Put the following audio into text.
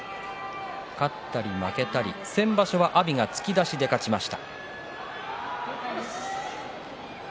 勝ったり負けたりで先場所は阿炎が突き出して勝っています。